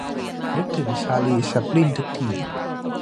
นึกถึง ชาลี แชปลิน ทุกที